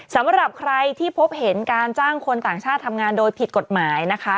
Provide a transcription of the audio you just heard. สำหรับใครที่พบเห็นการจ้างคนต่างชาติทำงานโดยผิดกฎหมายนะคะ